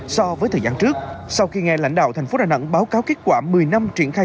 so với thời gian trước sau khi nghe lãnh đạo thành phố đà nẵng báo cáo kết quả một mươi năm triển khai